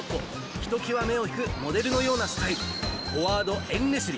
ひときわ目を引くモデルのようなスタイルフォワード、エンネシリ。